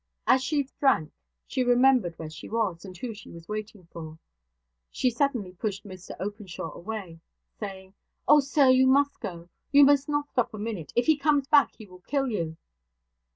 As she drank, she remembered where she was, and who she was waiting for. She suddenly pushed Mr Openshaw away, saying, 'Oh, sir, you must go. You must not stop a minute. If he comes back, he will kill you.'